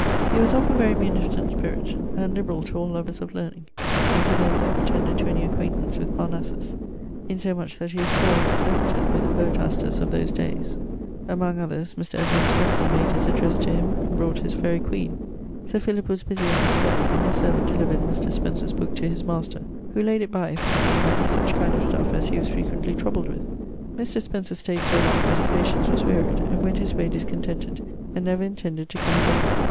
He was of a very munificent spirit, and liberall to all lovers of learning, and to those that pretended to any acquaintance with Parnassus; in so much that he was cloyd and surfeited with the poetasters of those dayes. Among others Mr. Edmund Spencer made his addresse to him, and brought his Faery Queen. Sir Philip was busy at his study, and his servant delivered Mr. Spencer's booke to his master, who layd it by, thinking it might be such kind of stuffe as he was frequently troubled with. Mr. Spencer stayd so long that his patience was wearied, and went his way discontented, and never intended to come again.